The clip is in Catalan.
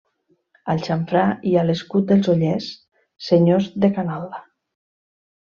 Al xamfrà hi ha l'escut dels Ollers, senyors de Canalda.